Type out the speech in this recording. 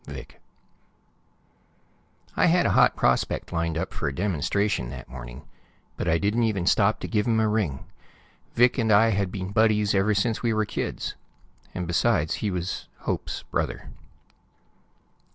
Vic I had a hot prospect lined up for a demonstration that morning, but I didn't even stop to give him a ring. Vic and I had been buddies ever since we were kids and, besides, he was Hope's brother.